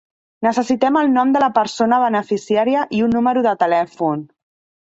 Necessitem el nom de la persona beneficiària i un número de telèfon.